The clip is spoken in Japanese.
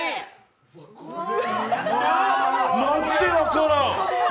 マジで分からん！